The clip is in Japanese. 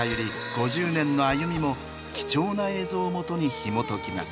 ５０年のあゆみも貴重な映像をもとにひもときます。